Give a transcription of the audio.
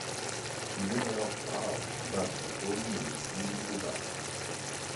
Il n'est alors pas bascophone mais étudie le basque.